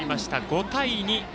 ５対２。